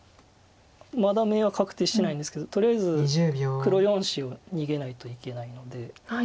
まだ眼は確定してないんですけどとりあえず黒４子を逃げないといけないので。